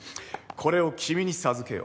これを君に授けよう。